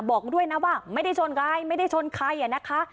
บอกด้วยนะว่าไม่ได้ชนใครไม่ได้ชนใครอ่ะนะคะ